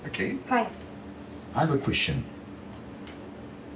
はい。